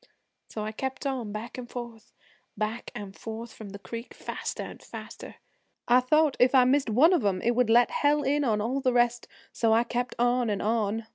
So I kept on back an' forth, back an' forth from the creek, faster an' faster. I thought if I missed one of 'em it would let Hell in on all the rest, so I kept on an' on.